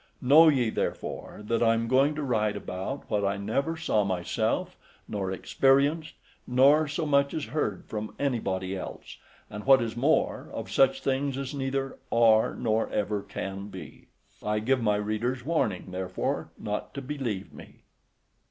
Know ye, therefore, that I am going to write about what I never saw myself, nor experienced, nor so much as heard from anybody else, and, what is more, of such things as neither are, nor ever can be. I give my readers warning, therefore, not to believe me.